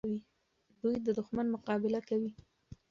دوی د دښمن مقابله کوله.